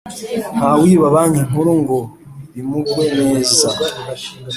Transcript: Ntawiba banki nkuru ngo bimugwe neza